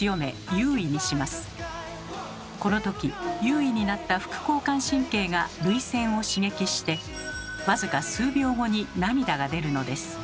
このとき優位になった副交感神経が涙腺を刺激して僅か数秒後に涙が出るのです。